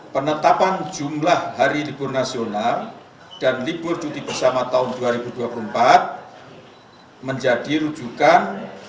penetapan jumlah hari libur nasional dan libur cuti bersama tahun dua ribu dua puluh empat menjadi rujukan